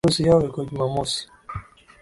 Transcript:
Harusi yao iko jumamosi